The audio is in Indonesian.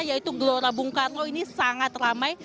yaitu gelora bung karno ini sangat ramai